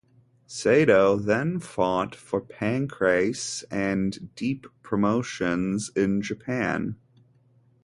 Sato then fought for Pancrase and Deep promotions in Japan.